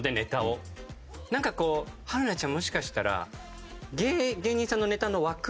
なんかこう春奈ちゃんもしかしたら。